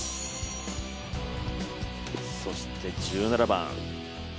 そして１７番。